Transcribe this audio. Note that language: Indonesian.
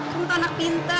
kamu tuh anak pintar